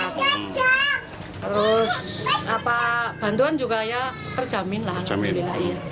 terus bantuan juga ya terjamin lah alhamdulillah